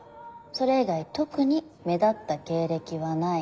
それ以外特に目立った経歴はない。